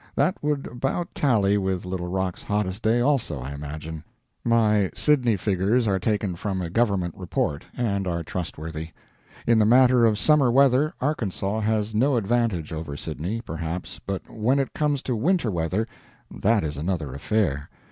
That would about tally with Little Rock's hottest day also, I imagine. My Sydney figures are taken from a government report, and are trustworthy. In the matter of summer weather Arkansas has no advantage over Sydney, perhaps, but when it comes to winter weather, that is another affair.